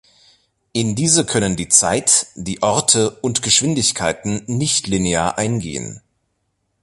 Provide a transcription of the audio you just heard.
In diese können die Zeit, die Orte und Geschwindigkeiten nichtlinear eingehen.